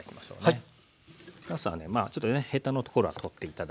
はい。